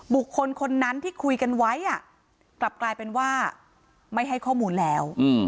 บุคคลคนนั้นที่คุยกันไว้กลับกลายเป็นว่าไม่ให้ข้อมูลแล้ว